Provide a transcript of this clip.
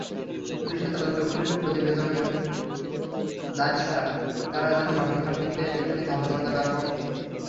পুলিশের তদন্ত কমিটির প্রতিবেদন দায়সারা, তারা যেন ঘটনাটিকে এখানেই ধামাচাপা দেওয়ার পক্ষে।